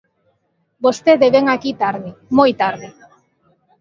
Vostede vén aquí tarde, moi tarde.